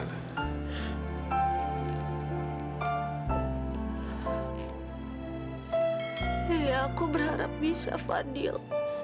ya aku berharap bisa fadil